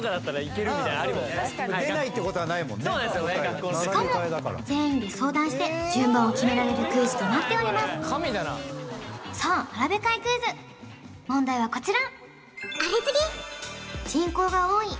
確かにしかも全員で相談して順番を決められるクイズとなっておりますさあ並べ替えクイズ問題はこちら！